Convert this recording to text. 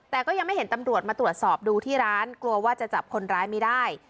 แต่ก็ยังไม่เห็นตำรวจมาตรวจสอบดูที่ร้านกลัวว่าจะจับคนร้ายไม่ได้